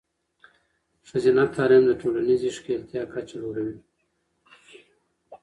ښځینه تعلیم د ټولنیزې ښکیلتیا کچه لوړوي.